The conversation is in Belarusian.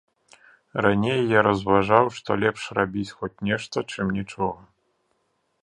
Раней я разважаў, што лепш рабіць хоць нешта, чым нічога.